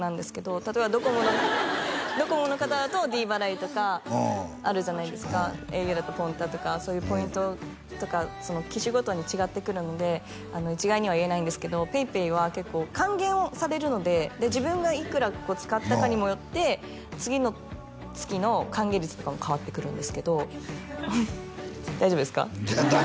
例えばドコモの方だとｄ払いとかあるじゃないですかａｕだとＰｏｎｔａとかそういうポイントとか機種ごとに違ってくるので一概には言えないんですけどＰａｙＰａｙは結構還元をされるのでで自分がいくら使ったかにもよって次の月の還元率とかも変わってくるんですけど大丈夫ですか？